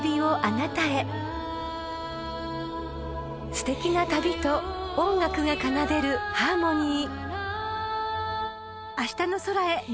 ［すてきな旅と音楽が奏でるハーモニー］